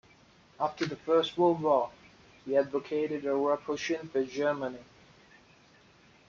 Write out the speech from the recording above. After the First World War, he advocated a rapprochement with Germany.